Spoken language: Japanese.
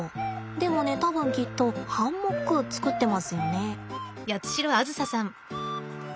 でもね多分きっとハンモック作ってますよね。